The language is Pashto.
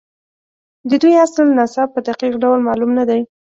د دوی اصل نسب په دقیق ډول معلوم نه دی.